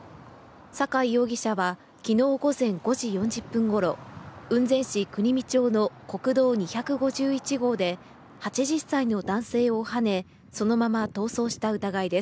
酒井容疑者は昨日午前５時４０分頃、雲仙市国見町の国道２５１号で、８０歳の男性をはね、そのまま逃走した疑いです。